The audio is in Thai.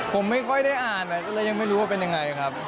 ผมไม่ค่อยได้อ่านก็เลยยังไม่รู้ว่าเป็นยังไงครับ